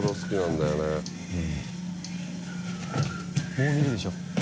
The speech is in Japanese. もう見るでしょ。